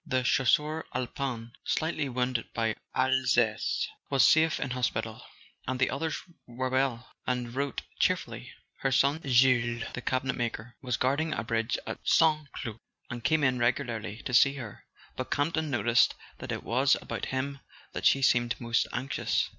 The Chasseur Alpin , slightly wounded in Alsace, was safe in hospital; and the others were well, and wrote cheer¬ fully. Her son Jules, the cabinetmaker, was guarding [ 123 ] A SON AT THE FRONT a bridge at St. Cloud, and came in regularly to see her; but Camp ton noticed that it was about him that she seemed most anxious.